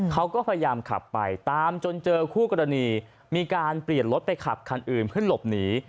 เขาก็พยายามขับไปตามจนเจอคู่กรณีมีการเปลี่ยนรถไปขับคันอื่นเพื่อหลบหนี